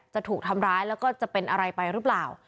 จะถูกทำร้ายแล้วก็จะเป็นอะไรไปหรือเปล่า